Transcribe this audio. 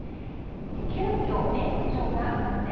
急きょ、園長が運転。